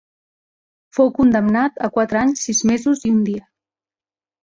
Fou condemnat a quatre anys, sis mesos i un dia.